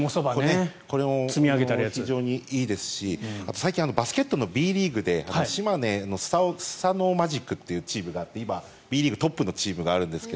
これも非常にいいですし最近バスケットのＢリーグで島根のスサノオマジックというチームがあって今、Ｂリーグトップのチームがあるんですが。